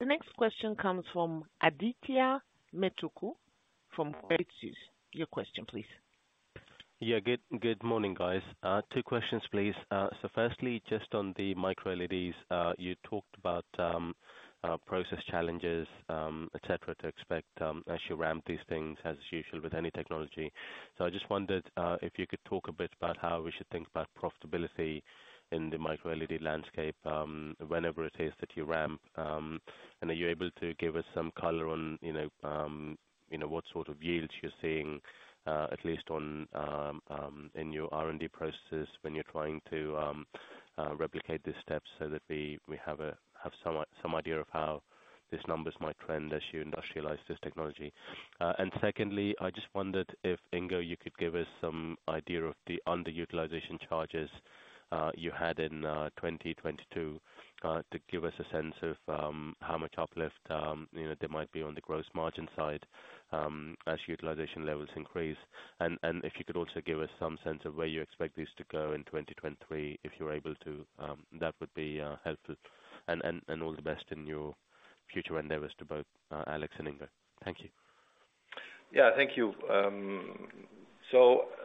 The next question comes from Adithya Metuku from Credit Suisse. Your question, please. Yeah. Good morning, guys. 2 questions, please. Firstly, just on the microLEDs, you talked about process challenges, et cetera, to expect as you ramp these things as usual with any technology. I just wondered if you could talk a bit about how we should think about profitability in the microLED landscape whenever it is that you ramp. Are you able to give us some color on, you know, what sort of yields you're seeing at least on in your R&D processes when you're trying to replicate these steps so that we have some idea of how these numbers might trend as you industrialize this technology? Secondly, I just wondered if, Ingo, you could give us some idea of the underutilization charges you had in 2022, to give us a sense of how much uplift, you know, there might be on the gross margin side, as utilization levels increase. If you could also give us some sense of where you expect this to go in 2023, if you're able to, that would be helpful. All the best in your future endeavors to both Alex and Ingo. Thank you. Yeah. Thank you.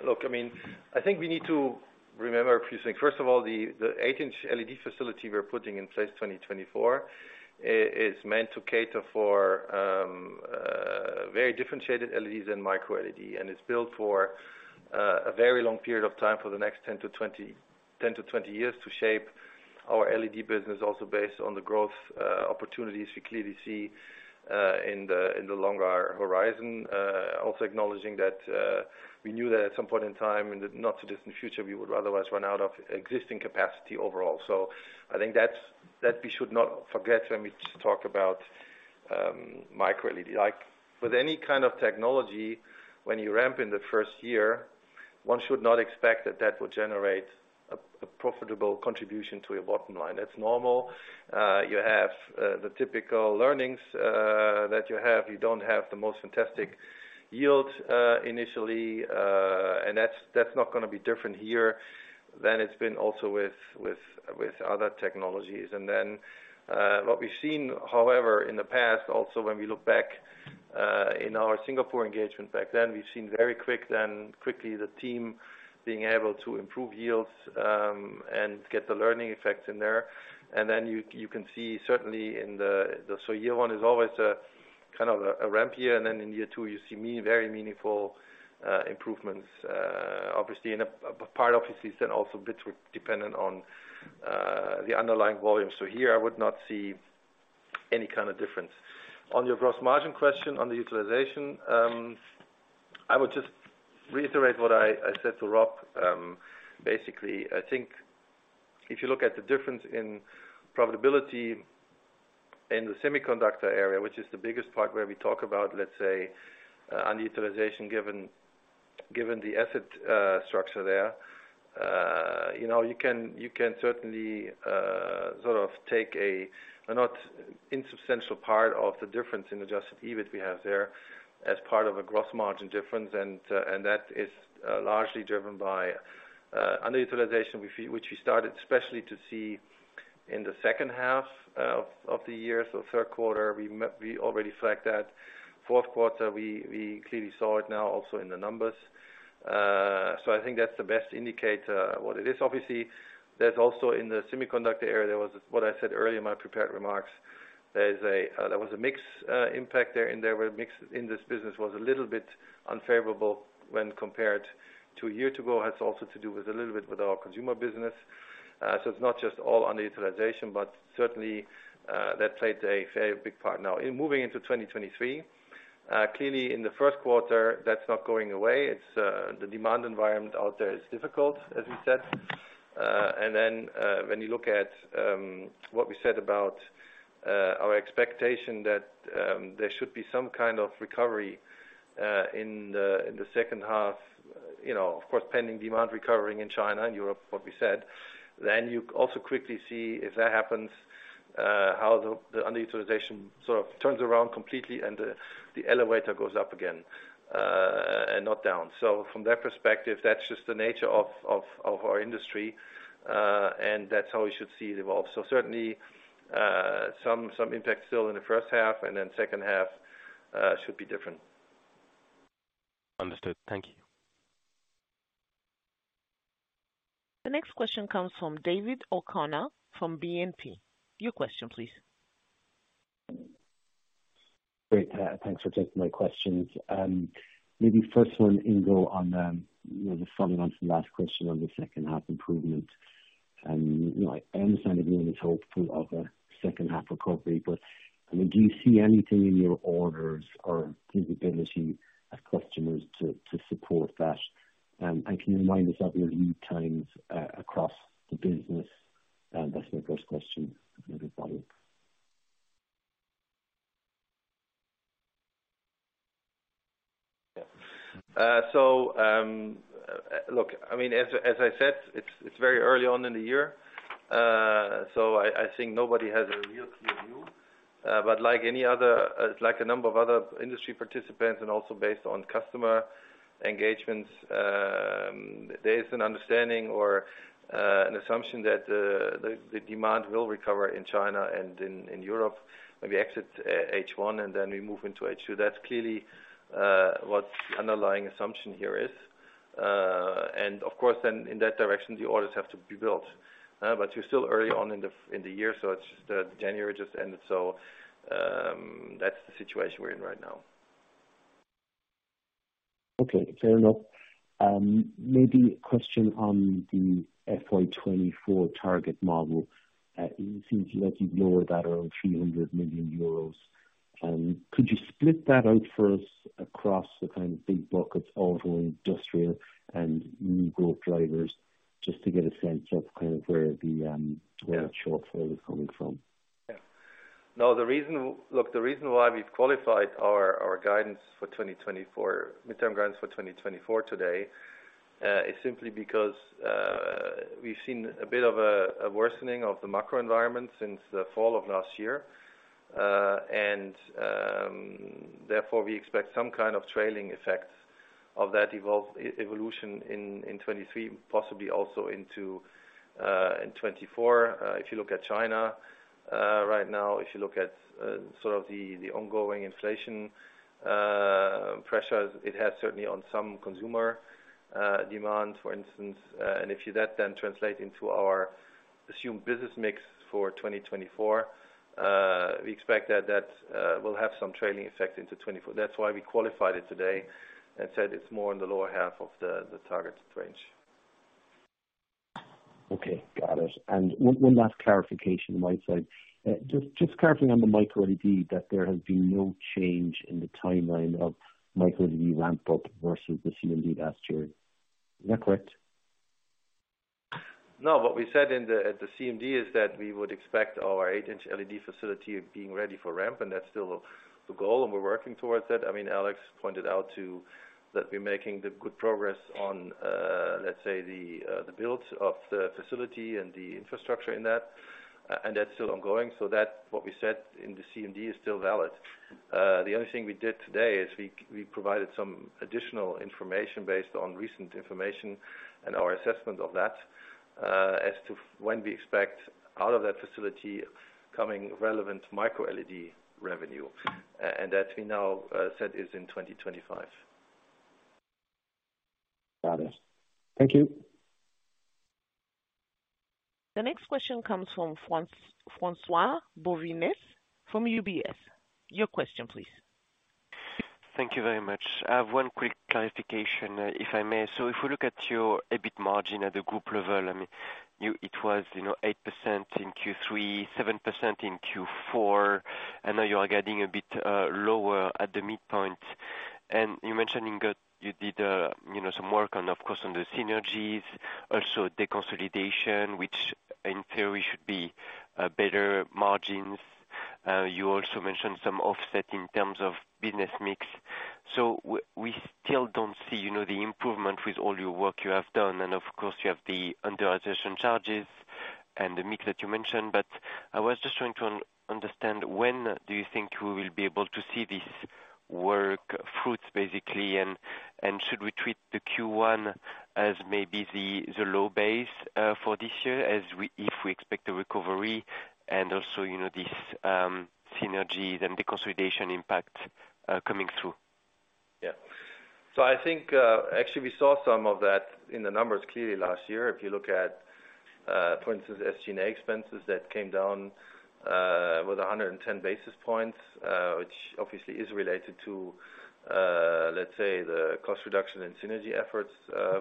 Look, I mean, I think we need to remember a few things. First of all, the 8-inch LED facility we're putting in place 2024 is meant to cater for very differentiated LEDs and microLED. It's built for a very long period of time for the next 10-20 years to shape our LED business also based on the growth opportunities we clearly see in the longer horizon. Acknowledging that we knew that at some point in time, in the not too distant future, we would otherwise run out of existing capacity overall. I think that's, that we should not forget when we just talk about microLED. Like, with any kind of technology, when you ramp in the first year, one should not expect that that will generate a profitable contribution to your bottom line. That's normal. You have the typical learnings that you have. You don't have the most fantastic yield initially. That's, that's not gonna be different here than it's been also with other technologies. What we've seen, however, in the past also when we look back in our Singapore engagement back then, we've seen quickly the team being able to improve yields and get the learning effects in there. You can see certainly in the so year one is always a kind of a ramp here and then in year two you see very meaningful improvements. Obviously in a part obviously is then also bit dependent on the underlying volume. Here I would not see any kind of difference. On your gross margin question, on the utilization, I would just reiterate what I said to Rob. Basically, I think if you look at the difference in profitability in the semiconductor area, which is the biggest part where we talk about, let's say, underutilization given the asset structure there. You know, you can certainly sort of take a not insubstantial part of the difference in adjusted EBIT we have there as part of a gross margin difference. That is largely driven by underutilization which we started especially to see in the second half of the year. Third quarter we already flagged that. Fourth quarter, we clearly saw it now also in the numbers. I think that's the best indicator what it is. Obviously, there's also in the semiconductor area, there was what I said earlier in my prepared remarks. There was a mix impact there, and there were a mix in this business was a little bit unfavorable when compared to a year to go. It has also to do with a little bit with our consumer business. It's not just all underutilization, but certainly, that played a very big part. Now in moving into 2023, clearly in the first quarter that's not going away. It's the demand environment out there is difficult, as we said. When you look at what we said about our expectation that there should be some kind of recovery in the second half, you know. Of course, pending demand recovering in China and Europe, what we said. You also quickly see if that happens, how the underutilization sort of turns around completely and the elevator goes up again, and not down. From that perspective, that's just the nature of our industry, and that's how we should see it evolve. Certainly, some impact still in the first half and then second half should be different. Understood. Thank you. The next question comes from David O'Connor from BNP. Your question, please. Great. Thanks for taking my questions. Maybe first one, Ingo, on, you know, just following on from the last question on the second half improvement. I mean, do you see anything in your orders or visibility of customers to support that? Can you remind us of your lead times across the business? That's my first question for everybody. Yeah. Look, I mean, as I said, it's very early on in the year. I think nobody has a real clear view. Like any other, like a number of other industry participants and also based on customer engagements, there is an understanding or an assumption that the demand will recover in China and in Europe when we exit H1 and then we move into H2. That's clearly what underlying assumption here is. Of course, then in that direction, the orders have to be built. You're still early on in the year, so it's January just ended. That's the situation we're in right now. Okay. Fair enough. Maybe a question on the FY 2024 target model. It seems like you've lowered that around 300 million euros. Could you split that out for us across the kind of big buckets, overall industrial and new growth drivers, just to get a sense of kind of where the, where that shortfall is coming from? Yeah. Look, the reason why we've qualified our midterm guidance for 2024 today, is simply because we've seen a bit of a worsening of the macro environment since the fall of last year. Therefore, we expect some kind of trailing effects of that evolution in 2023, possibly also into 2024. If you look at China right now, if you look at sort of the ongoing inflation pressures it has certainly on some consumer demand, for instance. If you let them translate into our assumed business mix for 2024, we expect that will have some trailing effect into 2024. That's why we qualified it today and said it's more in the lower half of the targeted range. Okay. Got it. One last clarification on my side. Just clarifying on the microLED, that there has been no change in the timeline of microLED ramp-up versus the CMD last year. Is that correct? What we said at the CMD is that we would expect our 8-inch LED facility being ready for ramp, and that's still the goal, and we're working towards that. I mean, Alex pointed out, too, that we're making the good progress on, let's say, the build of the facility and the infrastructure in that, and that's still ongoing. That what we said in the CMD is still valid. The only thing we did today is we provided some additional information based on recent information and our assessment of that, as to when we expect out of that facility coming relevant microLED revenue, and that we now said is in 2025. Got it. Thank you. The next question comes from Francois-Xavier Bouvignies from UBS. Your question, please. Thank you very much. I have one quick clarification, if I may. If we look at your EBIT margin at the group level, I mean, it was, you know, 8% in Q3, 7% in Q4, and now you are getting a bit lower at the midpoint. You mentioned that you did, you know, some work on of course on the synergies, also deconsolidation, which in theory should be better margins. You also mentioned some offset in terms of business mix. We still don't see, you know, the improvement with all your work you have done and of course you have the underutilization charges and the mix that you mentioned. I was just trying to understand when do you think we will be able to see this work fruits basically and should we treat the Q1 as maybe the low base for this year if we expect a recovery and also, you know, this synergy then deconsolidation impact coming through? I think, actually we saw some of that in the numbers clearly last year. If you look at, for instance, SG&A expenses that came down with 110 basis points, which obviously is related to, let's say the cost reduction and synergy efforts,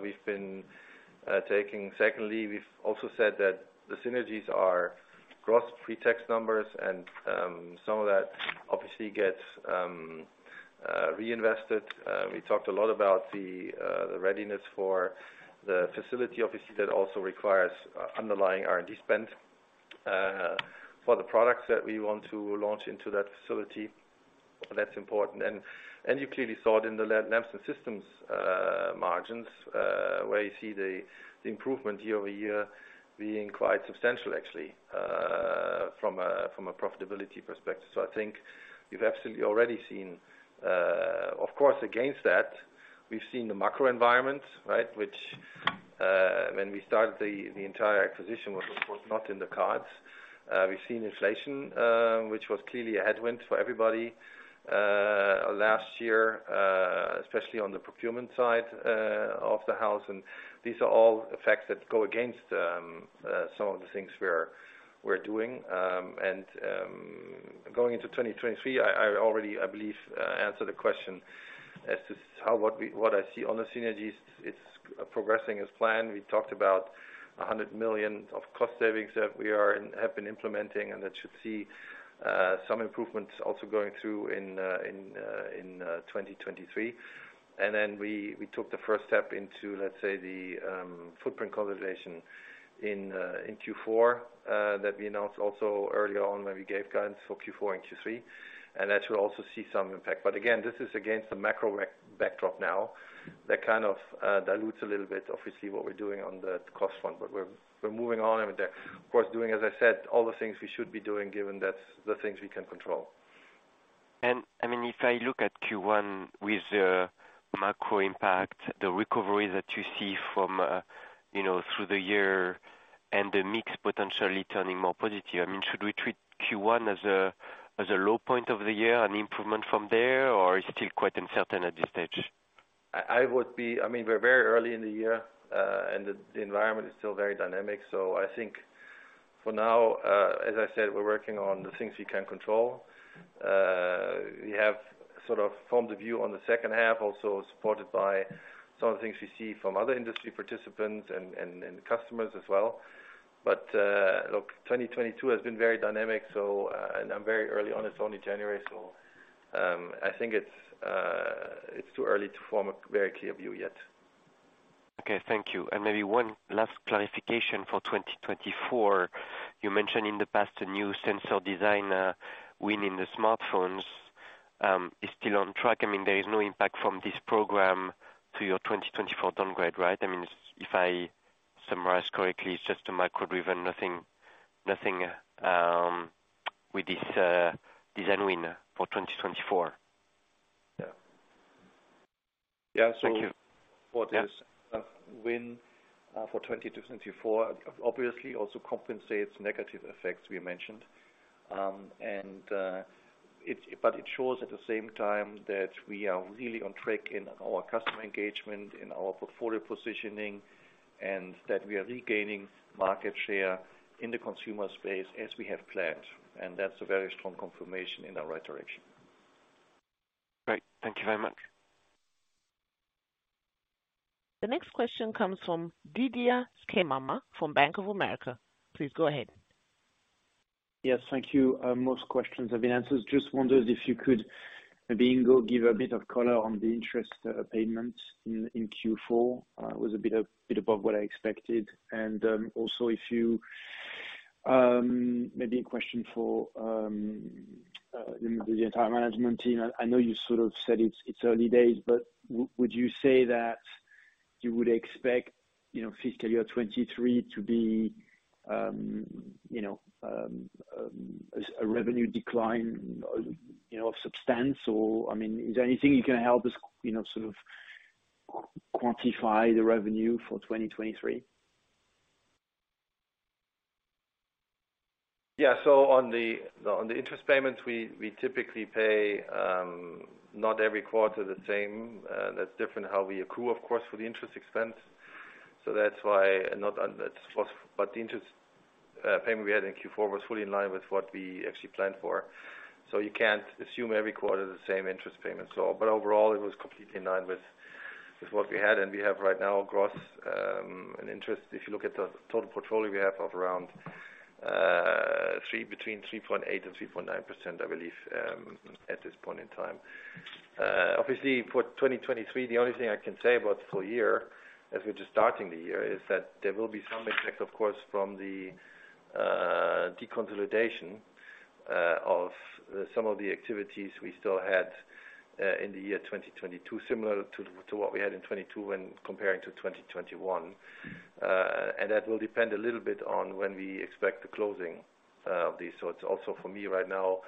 we've been taking. Secondly, we've also said that the synergies are gross pre-tax numbers and some of that obviously gets reinvested. We talked a lot about the readiness for the facility obviously that also requires underlying R&D spend for the products that we want to launch into that facility. That's important. You clearly saw it in the Lamps and Systems margins, where you see the improvement year-over-year being quite substantial actually, from a profitability perspective. I think you've absolutely already seen, of course against that, we've seen the macro environment, right? Which, when we started the entire acquisition, was of course not in the cards. We've seen inflation, which was clearly a headwind for everybody last year, especially on the procurement side of the house. These are all effects that go against some of the things we're doing. Going into 2023, I already, I believe, answered the question as to what we, what I see on the synergies. It's progressing as planned. We talked about 100 million of cost savings that we have been implementing, and that should see some improvements also going through in 2023. Then we took the first step into, let's say, the footprint consolidation in Q4, that we announced also earlier on when we gave guidance for Q4 and Q3. That should also see some impact. Again, this is against the macro back-backdrop now that kind of dilutes a little bit obviously what we're doing on the cost front, but we're moving on. I mean, they're of course doing, as I said, all the things we should be doing given that's the things we can control. I mean, if I look at Q1 with the macro impact, the recovery that you see from, you know, through the year and the mix potentially turning more positive, I mean, should we treat Q1 as a, as a low point of the year and improvement from there or is it still quite uncertain at this stage? I would be I mean, we're very early in the year, and the environment is still very dynamic. I think for now, as I said, we're working on the things we can control. We have sort of formed a view on the second half, also supported by some of the things we see from other industry participants and customers as well. Look, 2022 has been very dynamic, and I'm very early on, it's only January, I think it's too early to form a very clear view yet. Okay. Thank you. Maybe one last clarification for 2024. You mentioned in the past a new sensor design win in the smartphones is still on track. I mean, there is no impact from this program to your 2024 downgrade, right? I mean, if I summarize correctly, it's just a macro driven nothing with this design win for 2024. Yeah. Yeah. Thank you. Yeah. What is, win, for 2024 obviously also compensates negative effects we mentioned. But it shows at the same time that we are really on track in our customer engagement, in our portfolio positioning, and that we are regaining market share in the consumer space as we have planned. That's a very strong confirmation in the right direction. Great. Thank you very much. The next question comes from Didier Scemama from Bank of America. Please go ahead. Yes, thank you. Most questions have been answered. Just wondered if you could maybe, Ingo, give a bit of color on the interest payment in Q4. It was a bit above what I expected. Also if you, maybe a question for the entire management team. I know you sort of said it's early days, but would you say that you would expect, you know, fiscal year 2023 to be, you know, a revenue decline, you know, of substance? Or, I mean, is there anything you can help us, you know, sort of quantify the revenue for 2023? On the interest payments, we typically pay not every quarter the same. That's different how we accrue, of course, for the interest expense. That's why the interest payment we had in Q4 was fully in line with what we actually planned for. You can't assume every quarter the same interest payments. Overall, it was completely in line with what we had. We have right now gross an interest, if you look at the total portfolio we have of around between 3.8% and 3.9%, I believe, at this point in time. Obviously for 2023, the only thing I can say about full-year, as we're just starting the year, is that there will be some effect, of course, from the deconsolidation of some of the activities we still had in the year 2022, similar to what we had in 22 when comparing to 2021. That will depend a little bit on when we expect the closing of these. It's also for me right now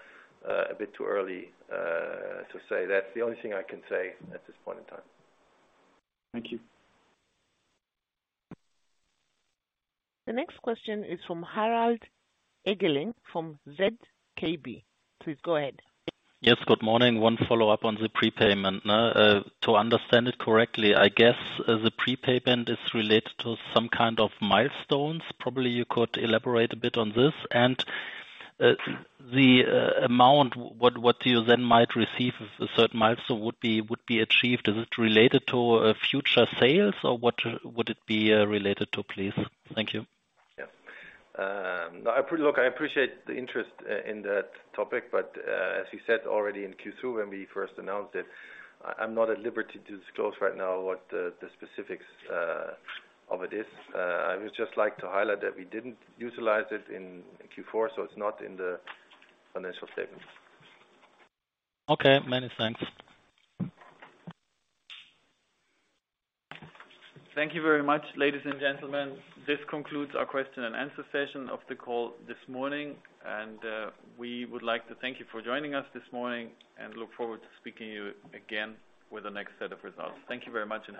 a bit too early to say. That's the only thing I can say at this point in time. Thank you. The next question is from Harald Eggeling from ZKB. Please go ahead. Yes, good morning. One follow-up on the prepayment. To understand it correctly, I guess, the prepayment is related to some kind of milestones. Probably you could elaborate a bit on this and the amount you then might receive if a certain milestone would be achieved. Is it related to future sales, or what would it be related to, please? Thank you. Yeah. Look, I appreciate the interest in that topic. As you said already in Q2 when we first announced it, I'm not at liberty to disclose right now what the specifics of it is. I would just like to highlight that we didn't utilize it in Q4, so it's not in the financial statements. Okay. Many thanks. Thank you very much, ladies and gentlemen. This concludes our question and answer session of the call this morning. We would like to thank you for joining us this morning and look forward to speaking to you again with the next set of results. Thank you very much and have a great day.